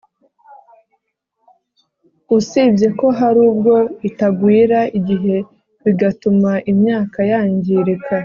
usibye ko hari ubwo itagwira igihe bigatuma imyaka yangirika